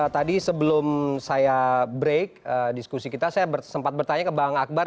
tadi sebelum saya break diskusi kita saya sempat bertanya ke bang akbar